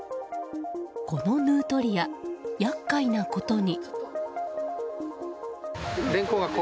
このヌートリア、厄介なことに。